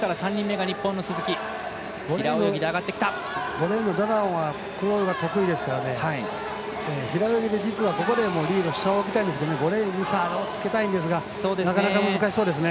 ５レーンのダダオンはクロールが得意ですから平泳ぎで実はここでもリードしておきたいんですけど差をつけたいんですがなかなか難しそうですね。